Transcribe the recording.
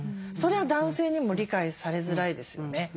それは男性にも理解されづらいですよね。